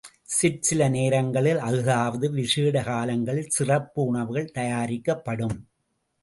சிற்சில நேரங்களில், அஃதாவது விசேட காலங்களில் சிறப்பு உணவுகள் தயாரிக்கப்படும்.